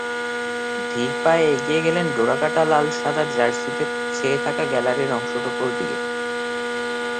ধীর পায়ে এগিয়ে গেলেন ডোরাকাটা-লাল সাদা জার্সিতে ছেয়ে থাকা গ্যালারির অংশটুকুর দিকে।